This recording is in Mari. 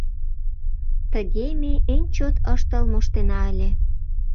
Тыге ме эн чот ыштыл моштена ыле.